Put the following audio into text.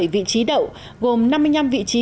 sáu mươi bảy vị trí đậu gồm năm mươi năm vị trí